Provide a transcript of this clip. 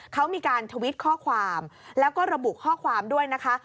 เขามีการทวิตข้อความแล้วก็ระบุข้อความด้วยนะคะ